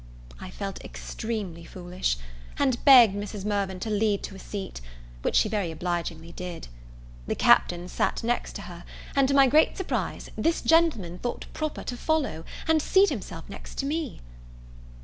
I felt extremely foolish; and begged Mrs. Mirvan to lead to a seat; which she very obligingly did. The Captain sat next her; and to my great surprise, this gentleman thought proper to follow, and seat himself next to me.